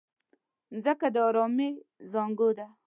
مځکه د ارامۍ زانګو ده.